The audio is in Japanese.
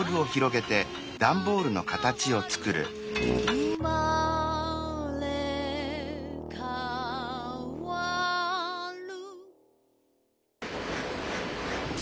「うまれかわる」